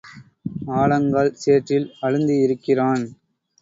ஆழங்கால் சேற்றில் அழுந்தியிருக்கிறான்.